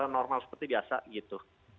normal seperti biasa gitu